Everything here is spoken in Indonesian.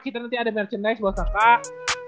kita nanti ada merchandise buat kak